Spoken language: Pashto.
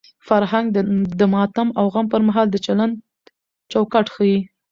فرهنګ د ماتم او غم پر مهال د چلند چوکاټ ښيي.